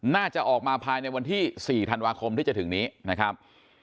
น่าจะออกมาภายในวันที่๔ธันวาคมที่จะถึงนี้นะครับ